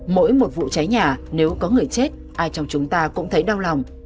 mỗi một vụ cháy nhà nếu có người chết ai trong chúng ta cũng thấy đau lòng